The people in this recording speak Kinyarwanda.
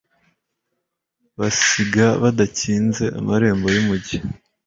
basiga badakinze amarembo y'umugi